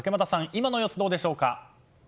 今の様子どうでしょうか。